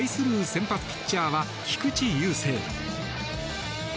先発ピッチャーは菊池雄星。